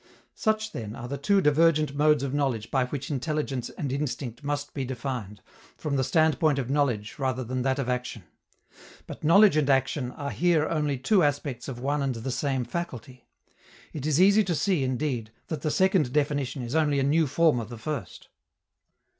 Such, then, are the two divergent modes of knowledge by which intelligence and instinct must be defined, from the standpoint of knowledge rather than that of action. But knowledge and action are here only two aspects of one and the same faculty. It is easy to see, indeed, that the second definition is only a new form of the first.